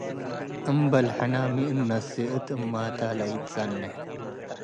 እምበል ሕነ ሚ እነስእ እት እማተ ለእትጸንሕ